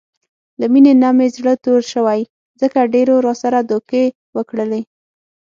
له مینې نه مې زړه تور شوی، ځکه ډېرو راسره دوکې وکړلې.